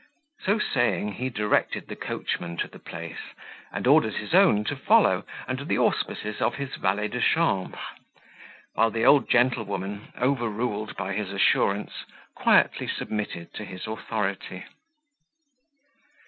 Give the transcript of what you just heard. So saying, he directed the coachman to the place, and ordered his own to follow, under the auspices of his valet de chambre; while the old gentlewoman, overruled by his assurance, quietly submitted to his authority.